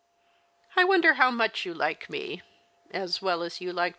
I wonder how much you like me. As well as you like junket ?